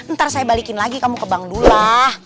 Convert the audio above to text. ntar saya balikin lagi kamu ke bang dula